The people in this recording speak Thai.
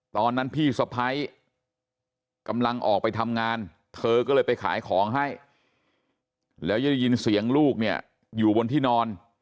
ตอนนั้นพี่สะพ้ายกำลังออกไปทำงานเธอก็เลยไปขายของให้แล้วจะได้ยินเสียงลูกเนี่ยอยู่บนที่นอน